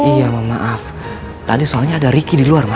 iya maaf tadi soalnya ada ricky di luar pak